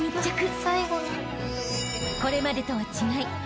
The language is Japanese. ［これまでとは違い